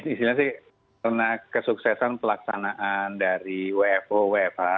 isinya sih karena kesuksesan pelaksanaan dari wfo wfa